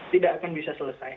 tidak akan bisa selesai